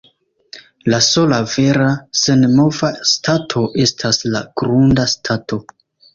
La sola vera senmova stato estas la grunda stato.